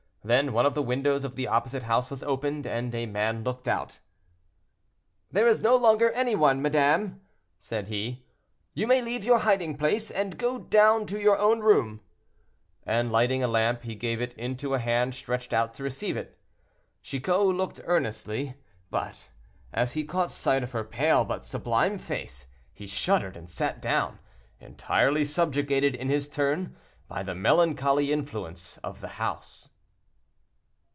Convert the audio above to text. Then one of the windows of the opposite house was opened, and a man looked out. "There is no longer any one, madame," said he; "you may leave your hiding place and go down to your own room," and lighting a lamp, he gave it into a hand stretched out to receive it. Chicot looked earnestly, but as he caught sight of her pale but sublime face, he shuddered and sat down, entirely subjugated, in his turn, by the melancholy influence of the house.